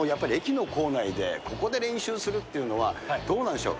このやっぱり、駅の構内でここで練習するっていうのは、どうなんでしょう？